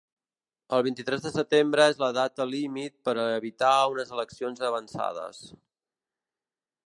El vint-i-tres de setembre és la data límit per a evitar unes eleccions avançades.